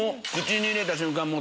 口に入れた瞬間